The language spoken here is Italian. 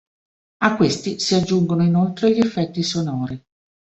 A questi si aggiungono inoltre gli effetti sonori.